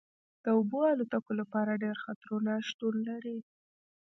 د اوبو الوتکو لپاره ډیر خطرونه شتون لري